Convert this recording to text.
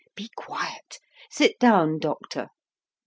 "Be quiet! Sit down, doctor!"